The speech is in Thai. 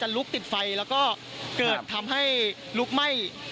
ลุกติดไฟแล้วก็เกิดทำให้ลุกไหม้